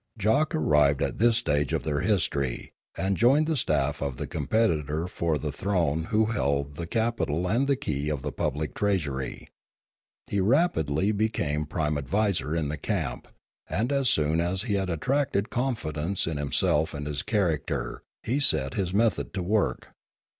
Jock arrived at this stage of their history, and joined the staff of the competitor for the throne who held the capital and the key of the public treasury. He rapidly became prime adviser in the camp, and as soon as he had attracted confidence in himself and his character he set his method to work.